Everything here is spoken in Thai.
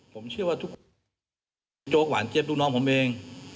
ผมเชื่อว่าทุกโจ๊กหวานเจี๊ยบลูกน้องผมเอง